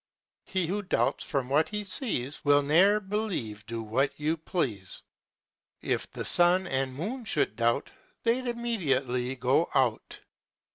He who Doubts from what he sees Will ne'er believe, do what you Please. If the Sun & Moon should doubt They'd immediately Go out.